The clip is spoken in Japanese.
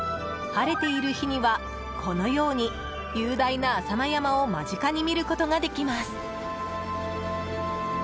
晴れている日にはこのように雄大な浅間山を間近に見ることができます。